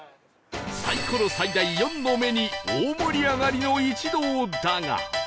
サイコロ最大４の目に大盛り上がりの一同だが